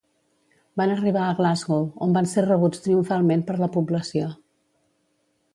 Van arribar a Glasgow, on van ser rebuts triomfalment per la població.